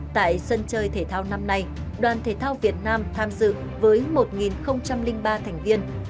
tại sân chơi thể thao năm nay đoàn thể thao việt nam tham dự với một ba thành viên